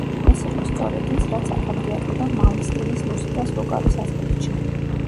ეს იყო სწორედ ის, რაც აქამდე აკლდა მალმსტინის მუსიკას ვოკალის ასპექტში.